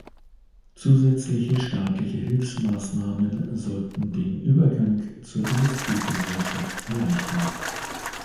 Zusätzliche staatliche Hilfsmaßnahmen sollten den Übergang zur Industriegesellschaft erleichtern.